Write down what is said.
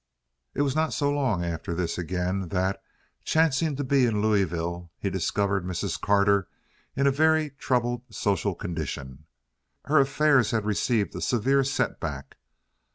It was not so long after this again that, chancing to be in Louisville, he discovered Mrs. Carter in a very troubled social condition. Her affairs had received a severe setback.